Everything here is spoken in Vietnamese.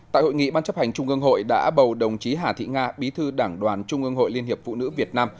tại hội nghị ban chấp hành trung ương hội đã bầu đồng chí hà thị nga bí thư đảng đoàn trung ương hội liên hiệp phụ nữ việt nam